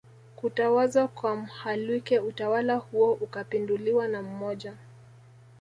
kutawazwa kwa Mhalwike utawala huo ukapinduliwa na mmoja